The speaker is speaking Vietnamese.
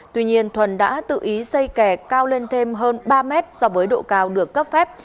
tuy nhiên thuần đã tự ý xây kè cao lên thêm hơn ba mét so với độ cao được cấp phép